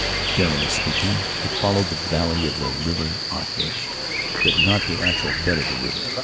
Generally speaking, it followed the valley of the River Agache, but not the actual bed of the river.